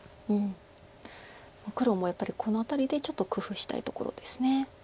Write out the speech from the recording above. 黒もやっぱりこの辺りでちょっと工夫したいところです。